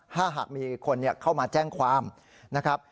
ถ้าหากมีคนเข้ามาแจ้งความนะครับ